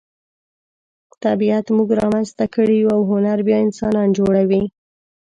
طبیعت موږ را منځته کړي یو او هنر بیا انسانان جوړوي.